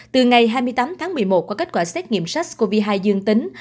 từ ngày hai mươi tám tháng một mươi một qua kết quả xét nghiệm sars cov hai dương tính